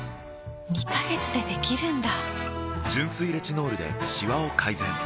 ２カ月でできるんだ！